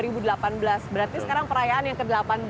berarti sekarang perayaan yang ke delapan belas